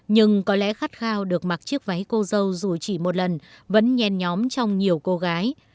nhưng có lẽ khát khao được mặc chiếc váy cô dâu dù chỉ một lần vẫn nhen nhóm trong nhiều cô gái